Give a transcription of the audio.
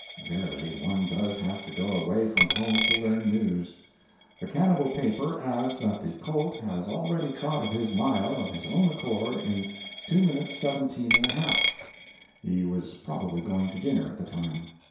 Verily, one does have to go away from home to learn news. The cannibal paper adds that the colt has already trotted his mile, of his own accord, in 2:17 1 2. He was probably going to dinner at the time.